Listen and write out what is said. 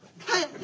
はい。